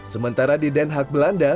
sementara di den haag belanda